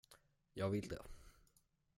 Jag vill det.